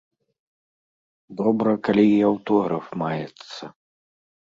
Добра, калі і аўтограф маецца.